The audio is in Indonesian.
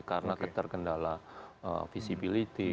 karena terkendala visibilitas